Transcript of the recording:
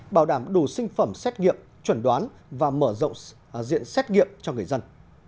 bảo đảm đủ sinh phẩm xét nghiệm chuẩn đoán và mở rộng diện xét nghiệm cho người dân